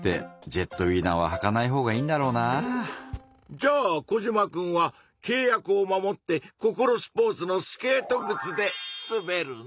じゃあコジマくんはけい約を守ってココロスポーツのスケートぐつですべるの？